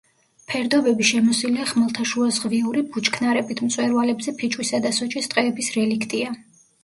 ფერდობები შემოსილია ხმელთაშუაზღვიური ბუჩქნარებით, მწვერვალებზე ფიჭვისა და სოჭის ტყეების რელიქტია.